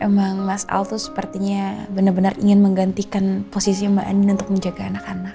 emang mas al tuh sepertinya benar benar ingin menggantikan posisi mbak eni untuk menjaga anak anak